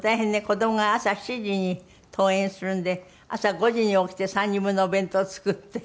子供が朝７時に登園するんで朝５時に起きて３人分のお弁当を作って。